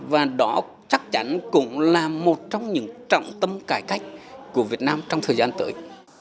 và đó chắc chắn cũng là một trong những trọng tâm cải cách của việt nam trong thời gian tới